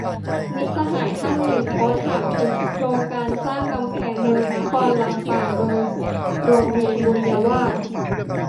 มิตรสหายท่านหนึ่ง โพสต์ถามถึงโครงการสร้าง "กำแพงเมืองนครลำปาง" โดยโรงเรียนบุญวาทย์